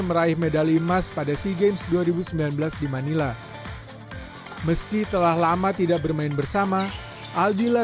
meraih medali emas pada sea games dua ribu sembilan belas di manila meski telah lama tidak bermain bersama aldila